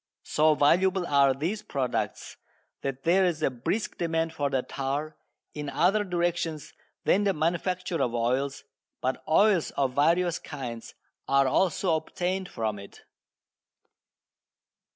So valuable are these products that there is a brisk demand for the tar, in other directions than the manufacture of oils, but oils of various kinds are also obtained from it.